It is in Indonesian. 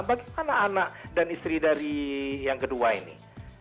bagaimana anak dan istri dari yang kedua ini